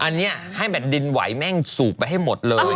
อันนี้ให้แผ่นดินไหวแม่งสูบไปให้หมดเลย